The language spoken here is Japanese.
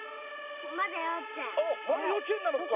まだ幼稚園なのか